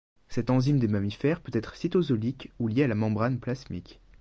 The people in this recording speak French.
Cette enzyme des mammifères peut être cytosolique ou liée à la membrane plasmique.